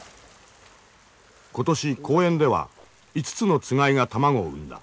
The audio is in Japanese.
今年公園では５つのつがいが卵を産んだ。